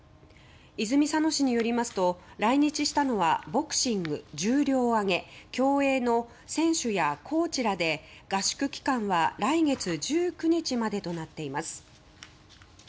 泉佐野市によりますと来日したのはボクシング、重量挙げ競泳の選手やコーチらで合宿期間は来月１９日までとなっています。